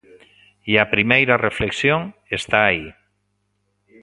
E a primeira reflexión está aí.